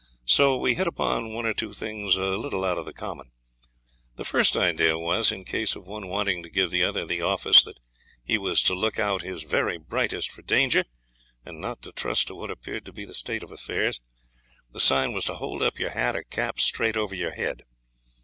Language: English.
So we hit upon one or two things a little out of the common. The first idea was, in case of one wanting to give the other the office that he was to look out his very brightest for danger, and not to trust to what appeared to be the state of affairs, the sign was to hold up your hat or cap straight over your head.